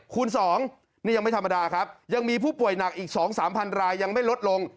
คูณ๒นี่ยังไม่ธรรมดาครับยังมีผู้ป่วยหนักอีก๒๓๐๐รายยังไม่ลดลง